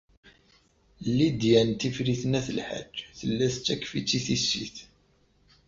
Lidya n Tifrit n At Lḥaǧ tella tettakf-itt i tissit.